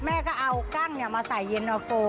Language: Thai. แม่ก็เอากั้งมาใส่เย็นนาโฟ